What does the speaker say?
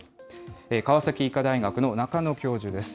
川崎医科大学の中野教授です。